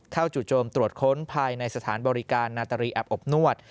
เข้าจุดโจมตรวจค้นภายในสถานบริการนาตาลีอาบอบนวด